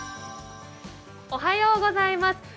おはようございます。